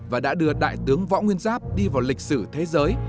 và đã đưa đại tướng võ nguyên giáp đi vào lịch sử thế giới